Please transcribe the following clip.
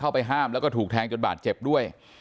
เข้าไปห้ามแล้วก็ถูกแทงจนบาดเจ็บด้วย